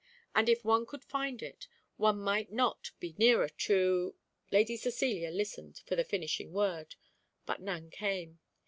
and if one could find it, one might not be nearer to " Lady Cecilia listened for the finishing word, but none came.